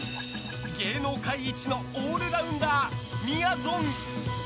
芸能界イチのオールラウンダーみやぞん。